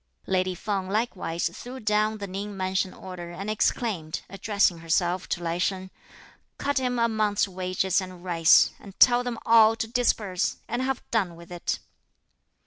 Lady Feng likewise threw down the Ning Mansion order and exclaimed, addressing herself to Lai Sheng: "Cut him a month's wages and rice! and tell them all to disperse, and have done with it!"